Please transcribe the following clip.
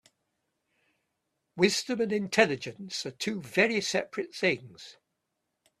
Wisdom and intelligence are two very seperate things.